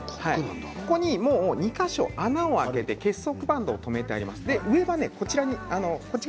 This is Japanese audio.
ここに２か所穴を開けて結束バンドを留めてあります。